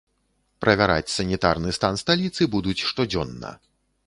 Правяраць санітарны стан сталіцы будуць штодзённа.